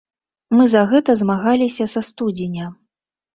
Мы за гэта змагаліся са студзеня.